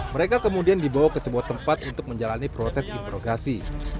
mereka kemudian dibawa ke sebuah tempat untuk menjalani proses interogasi